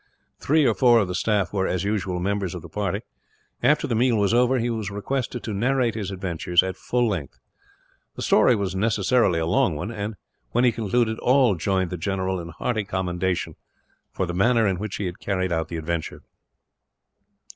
Three or four of the staff were, as usual, members of the party. After the meal was over, he was requested to narrate his adventures, at full length. The story was necessarily a long one and, when he concluded, all joined the general in hearty commendation for the manner in which he had carried out the adventure.